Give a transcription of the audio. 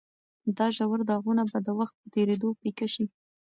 دا ژور داغونه به د وخت په تېرېدو پیکه شي.